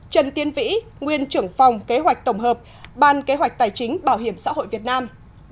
trần tiến vĩ nguyên trưởng phòng kế hoạch tổng hợp ban kế hoạch tài chính bảo hiểm xã hội việt nam